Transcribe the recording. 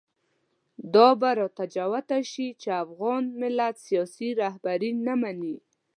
دا به راته جوته شي چې افغان ملت سیاسي رهبري نه مني.